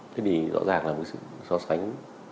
thế thì rõ ràng là một sự so sánh